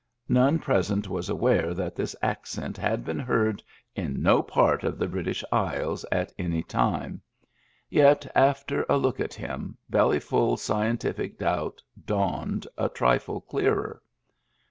None present was aware that this accent had been heard in no part of the British Isles at any Digitized by VjOOQIC EXTRA DRY 215 time. Yet, after a look at him, Bellyfurs scientific doubt dawned a trifle clearer.